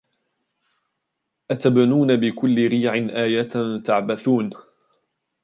أتبنون بكل ريع آية تعبثون